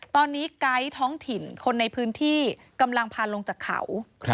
ตอนนี้ไกด์ท้องถิ่นคนในพื้นที่กำลังพาลงจากเขา